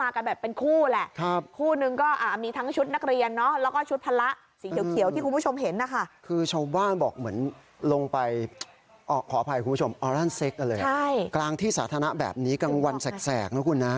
กลางที่สาธารณะแบบนี้กลางวันแสกนะครับคุณน้า